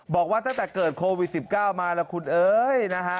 บอกว่าตั้งแต่เกิดโควิด๑๙มาแล้วคุณเอ้ยนะฮะ